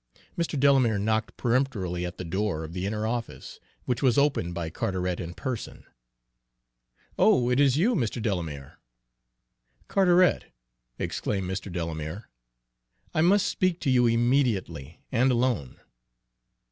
Mr. Delamere knocked peremptorily at the door of the inner office, which was opened by Carteret in person. "Oh, it is you, Mr. Delamere." "Carteret," exclaimed Mr. Delamere, "I must speak to you immediately, and alone."